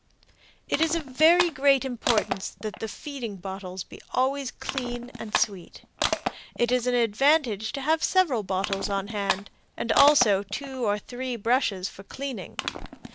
It is of very great importance that the feeding bottles be always clean and sweet. It is an advantage to have several bottles on hand, and also two or three brushes for cleaning.